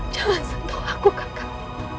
jangan sentuh aku kakak